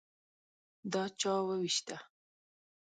_دا چا ووېشته؟